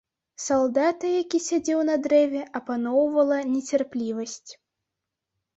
Салдата, які сядзеў на дрэве, апаноўвала нецярплівасць.